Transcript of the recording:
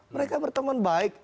mereka berteman baik